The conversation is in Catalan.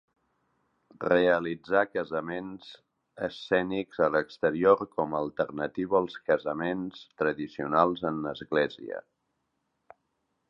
Realitzar casaments escènics a l'exterior com a alternativa als casaments tradicionals en església.